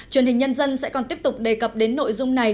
truyền hình nhân dân sẽ còn tiếp tục đề cập đến nội dung này